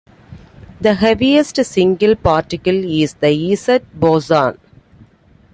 The heaviest single particle is the Z boson.